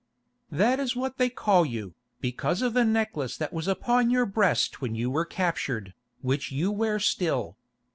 "That is what they call you, because of the necklace that was upon your breast when you were captured, which you wear still.